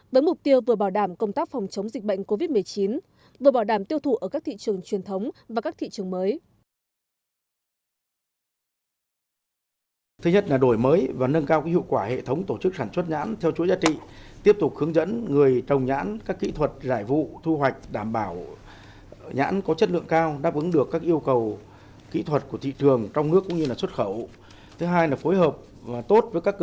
với mục tiêu vừa bảo đảm công tác phòng chống dịch bệnh covid một mươi chín vừa bảo đảm tiêu thụ ở các thị trường truyền thống và các thị trường mới